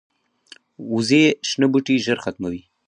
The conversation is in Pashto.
وزې شنه بوټي ژر ختموي